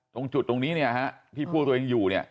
ตรงจุดตรงนี้เนี่ยฮะที่พวกตัวเองอยู่เนี่ย